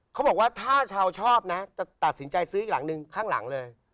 เขาบอกว่าถ้าชาวชอบนะจะตัดสินใจซื้ออีกหลังนึงข้างหลังเลย